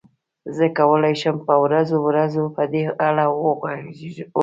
زه کولای شم په ورځو ورځو په دې اړه وغږېږم.